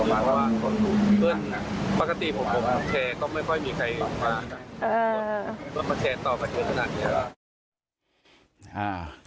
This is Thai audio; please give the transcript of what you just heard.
เพราะว่าเพื่อนปกติผมแชร์ก็ไม่ค่อยมีใครมาแชร์ต่อมาเยอะขนาดนี้